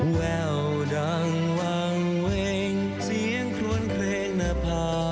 แววดังวังเว่งเสียงคล้นเครกนภาพ